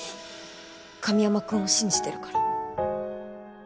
神山君を信じてるから